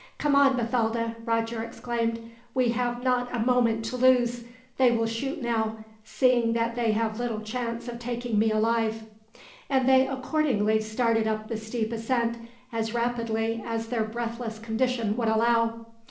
"Come on, Bathalda," Roger exclaimed. "We have not a moment to lose. They will shoot now, seeing that they have little chance of taking me alive." And they accordingly started up the steep ascent, as rapidly as their breathless condition would allow.